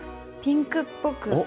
ピンクっぽく。